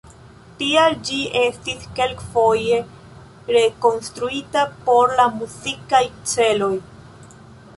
Tial ĝi estis kelkfoje rekonstruita por la muzikaj celoj.